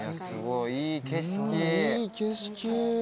いい景色。